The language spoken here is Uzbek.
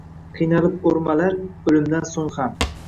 Qiynalib o’rmalar — o’limdan so’ng ham